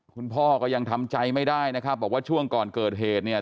พ่อก็ยังทำใจไม่ได้นะครับบอกว่าช่วงก่อนเกิดเหตุเนี่ย